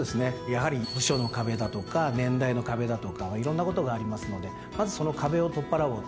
やはり部署の壁だとか年代の壁だとかいろんなことがありますのでまずその壁を取っ払おうと。